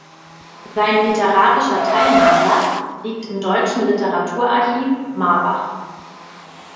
Sein literarischer Teilnachlass liegt im Deutschen Literaturarchiv Marbach.